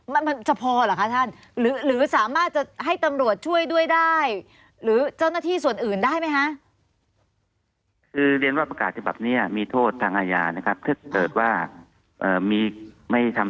มันมันจะพอเหรอคะท่านหรือสามารถจะให้ตำรวจช่วยด้วยได้หรือเจ้าหน้าที่ส่วนอื่นได้ไหมคะ